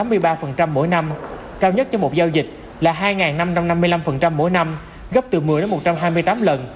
gấp từ sáu mươi ba mỗi năm cao nhất trong một giao dịch là hai năm trăm năm mươi năm mỗi năm gấp từ một mươi đến một trăm hai mươi tám lần